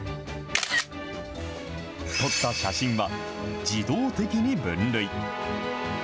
撮った写真は、自動的に分類。